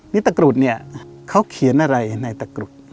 นี่ตะกรุดเนี่ยเขาเขียนอะไรในตะกรุด